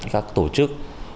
các tổ chức